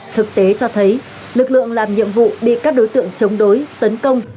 thực tế cho thấy lực lượng làm nhiệm vụ bị các đối tượng chống đối tấn công